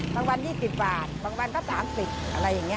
บางวัน๒๐บาทบางวันก็๓๐อะไรอย่างนี้